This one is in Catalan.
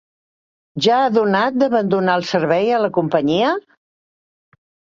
Ja ha donat d'abandonar el servei a la companyia?